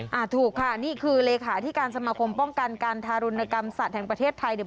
ถูกค่ะนี่คือเลขาที่การสมาคมป้องกันการทารุณกรรมสัตว์แห่งประเทศไทยเนี่ย